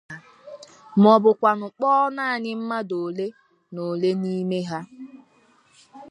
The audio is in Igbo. maọbụkwa kpọọ naanị mmadụ olenaole n'ime ha